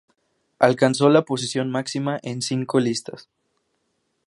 Alcanzó la posición máxima en cinco listas.